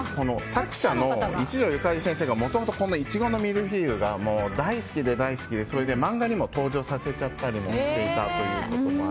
作者の一条ゆかり先生がもともと苺のミルフィーユが大好きで、大好きで漫画にも登場させたと。